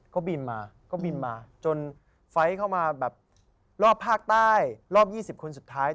ก็บินมาก็บินมาจนไฟล์เข้ามาแบบรอบภาคใต้รอบ๒๐คนสุดท้าย